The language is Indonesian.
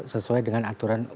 sesuai dengan aturan